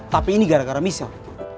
tapi ini gara gara michel